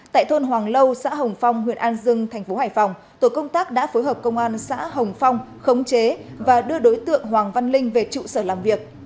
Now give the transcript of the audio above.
tại thôn hoàng lâu xã hồng phong huyện an dương thành phố hải phòng tổ công tác đã phối hợp công an xã hồng phong khống chế và đưa đối tượng hoàng văn linh về trụ sở làm việc